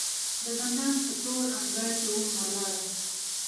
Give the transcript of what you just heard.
د زندان په تور انګړ کې وم ولاړه